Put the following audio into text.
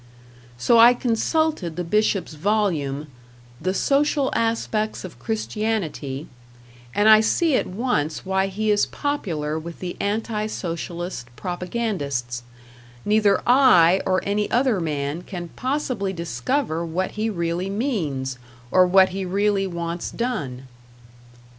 So I consulted the Bishop's volume, "The Social Aspects of Christianity" and I see at once why he is popular with the anti Socialist propagandists neither I or any other man can possibly discover what he really means, or what he really wants done.